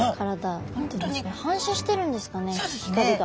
反射してるんですかね光が。